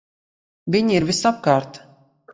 Viņi ir visapkārt!